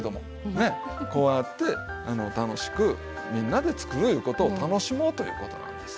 こうやって楽しくみんなで作るいうことを楽しもうということなんです。